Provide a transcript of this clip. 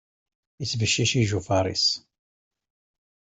Ittbeccic ijufaṛ-is.